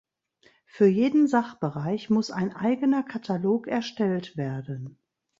Für jeden Sachbereich muss ein eigener Katalog erstellt werden.